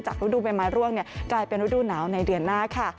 ฤดูใบไม้ร่วงกลายเป็นฤดูหนาวในเดือนหน้าค่ะ